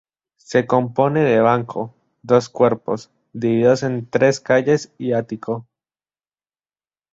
Se compone de banco, dos cuerpos divididos en tres calles y ático.